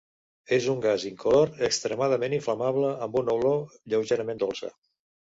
És un gas incolor extremadament inflamable amb una olor lleugerament dolça.